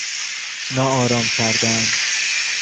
ناآرام کردن